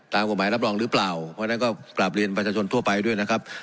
ตามกฎหมายรับรองหรือเปล่าเพราะฉะนั้นก็กลับเรียนประชาชนทั่วไปด้วยนะครับ